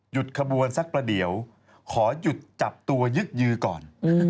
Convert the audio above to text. ขบวนสักประเดี๋ยวขอหยุดจับตัวยึกยือก่อน